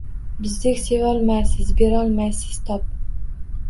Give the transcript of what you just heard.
Bizdek sevolmaysiz, berolmaysiz tob